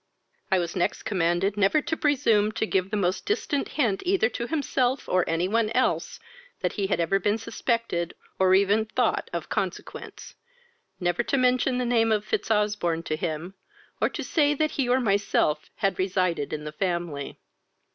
"I was next commanded never to presume to give the most distant hint either to himself or any one else, that he had ever been suspected, or even thought of consequence, never to mention the name of Fitzosbourne to him, or to say that he or myself had resided in the family.